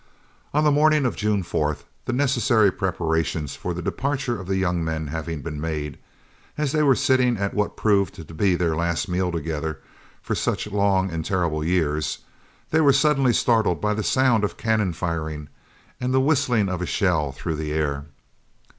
On the morning of June 4th, the necessary preparations for the departure of the young men having been made, as they were sitting at what proved to be their last meal together for such long and terrible years, they were suddenly startled by the sound of cannon firing and the whistling of a shell through the air.